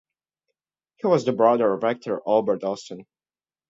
He was the brother of actor Albert Austin.